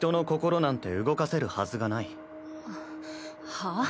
はあ？